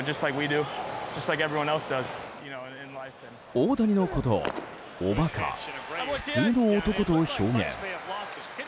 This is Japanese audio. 大谷のことをお馬鹿、普通の男と表現。